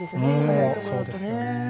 早いとこだとね。